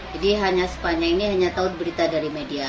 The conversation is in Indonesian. jadi hanya sepanjang ini hanya tahu berita dari media